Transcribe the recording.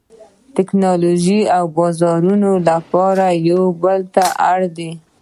د ټکنالوژۍ او بازارونو لپاره یو بل ته اړ دي